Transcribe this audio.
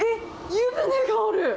湯船がある。